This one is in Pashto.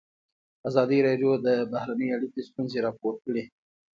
ازادي راډیو د بهرنۍ اړیکې ستونزې راپور کړي.